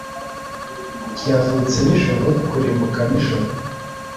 Ryavutse nijoro kurimbuka nijoro